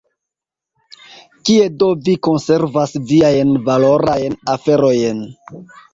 Kie do vi konservas viajn valorajn aferojn?